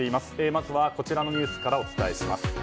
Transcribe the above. まずは、こちらのニュースからお伝えします。